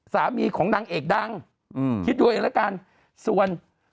สามีของนางเอกดังอืมคิดดูเองแล้วกันส่วน